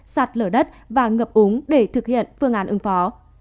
sạt lở đất và ngập úng để thực hiện phương án ứng phó